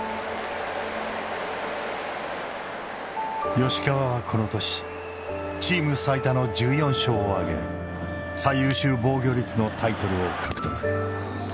吉川はこの年チーム最多の１４勝を挙げ最優秀防御率のタイトルを獲得。